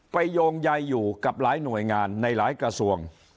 โยงใยอยู่กับหลายหน่วยงานในหลายกระทรวง